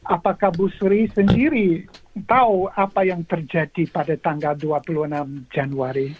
apakah bu sri sendiri tahu apa yang terjadi pada tanggal dua puluh enam januari